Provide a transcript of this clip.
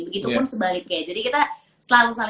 begitupun sebaliknya jadi kita selalu